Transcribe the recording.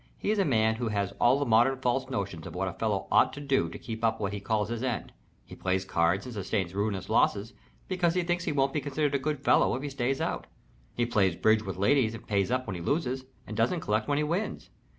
He's a man who has all the modern false notions of what a fellow ought to do to keep up what he calls his end. He plays cards and sustains ruinous losses because he thinks he won't be considered a good fellow if he stays out. He plays bridge with ladies and pays up when he loses and doesn't collect when he wins.